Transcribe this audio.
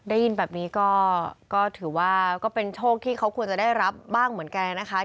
ได้ยินแบบนี้ก็ถือว่าก็เป็นโชคที่เขาควรจะได้รับบ้างเหมือนกันนะคะ